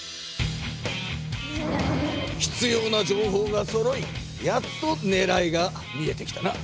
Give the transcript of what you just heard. ひつような情報がそろいやっとねらいが見えてきたな。